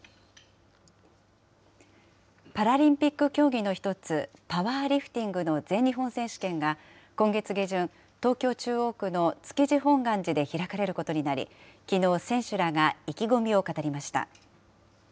パラリンピック競技の一つ、パワーリフティングの全日本選手権が、今月下旬、東京・中央区の築地本願寺で開かれることになり、きのう、選手らが意気込みを語りました。